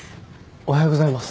おはようございます。